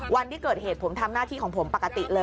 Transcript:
วันที่เกิดเหตุผมทำหน้าที่ของผมปกติเลย